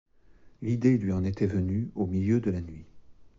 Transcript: L’idée lui en était venue au milieu de la nuit.